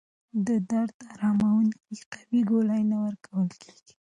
د درد اراموونکې قوي ګولۍ نه ورکول کېږي.